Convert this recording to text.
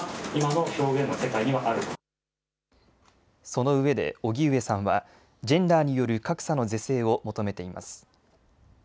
そのうえで荻上さんはジェンダーによる格差の是正を求めています。